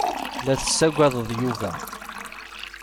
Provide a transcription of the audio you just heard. La tessaggaded Yuba.